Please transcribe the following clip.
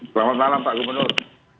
selamat malam pak gubernur